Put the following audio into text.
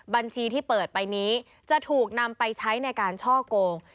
บัญชีที่เปิดไปนี้จะถูกนำไปใช้ในการช่อโกง